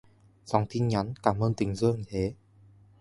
Dòng tin nhắn...cám ơn tình dương thế...!